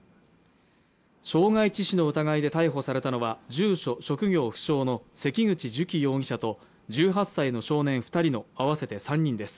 傷害致死の疑いで逮捕されたのは、住所・職業不詳の関口寿喜容疑者と１８歳の少年２人の合わせて３人です。